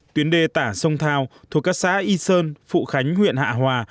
tuyến đê tả sông thao thuộc các xã y sơn phụ khánh huyện hạ hòa